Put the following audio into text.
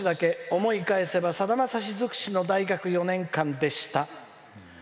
思い返せば、さだまさし尽くしの大学４年間でした。